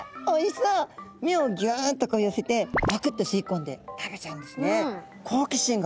目をギュンとこう寄せてパクって吸い込んで食べちゃうんですね。